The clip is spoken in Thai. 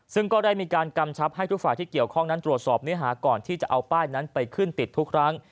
ซึ่งก็ได้มีการกำชับให้ทุกฝ่ายที่เกี่ยวข้องนั้นตรวจสอบเนื้อหาก่อนที่จะเอาป้ายนั้นไปขึ้นติดทุกครั้ง